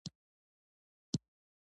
هغه د يوې الکټرونيکي الې مرسته وغوښته.